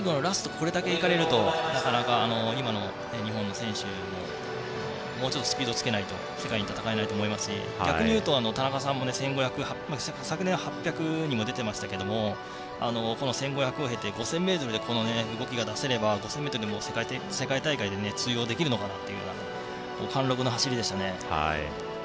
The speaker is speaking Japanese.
これだけいかれるとなかなか、今の日本の選手ももうちょっとスピードつけないと世界で戦えないと思いますし逆に言うと田中さんは昨年８００ｍにも出ていましたが１５００ｍを経て５０００ｍでこの動きが出せれば５０００ｍでも世界大会で通用できるのかなという貫禄の走りでしたね。